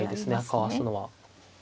かわすのは。